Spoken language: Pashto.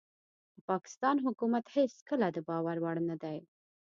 د پاکستان حکومت هيڅکله دباور وړ نه دي